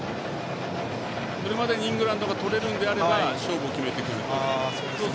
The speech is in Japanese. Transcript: それまでにイングランドが取れるんであれば勝負を決めてくると思います。